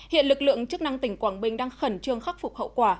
hiện lực lượng chức năng tỉnh quảng bình đang khẩn trương khắc phục hậu quả